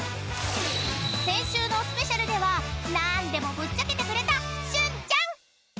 ［先週のスペシャルでは何でもぶっちゃけてくれた旬ちゃん］